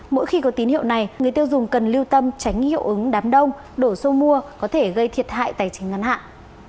mỗi khi có tín hiệu này người tiêu dùng cần lưu tâm tránh hiệu ứng đám đông đổ xô mua có thể gây thiệt hại tài chính ngân hàng